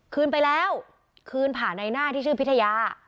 คืนไปแล้วคืนผ่านในหน้าที่ชื่อพิทยา